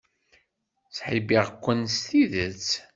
Ttḥibbiɣ-ken s tidet.